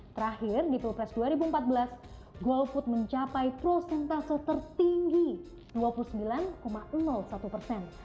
terakhir di pilpres dua ribu empat belas golput mencapai prosentase tertinggi dua puluh sembilan satu persen